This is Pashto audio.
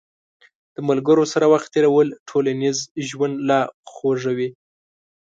د ملګرو سره وخت تېرول ټولنیز ژوند لا خوږوي.